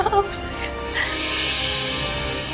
jangan lupa untuk mencari masalah